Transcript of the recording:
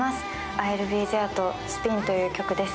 「Ｉ’ｌｌｂｅｔｈｅｒｅ」と「スピン」という曲です。